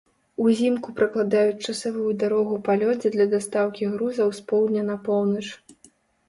Узімку пракладаюць часавую дарогу па лёдзе для дастаўкі грузаў з поўдня на поўнач.